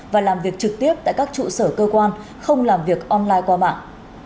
và làm việc trực tiếp tại các trụ sở cơ quan không làm việc online qua mạng